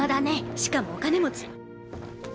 しかもお金持ち。